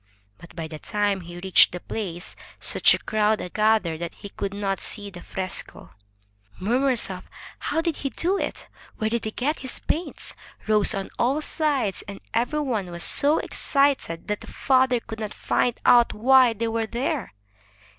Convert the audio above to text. But by the time he reached the place, such a crowd had gathered that he could not see the fresco. Murmurs of "How did he do it?" "Where did he get his paints?" rose on all sides, and every one was so excited that the father could not find out why they were there.